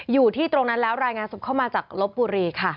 อยู่ที่ตรงนั้นแล้วรายงานสดเข้ามาจากลบบุรีค่ะ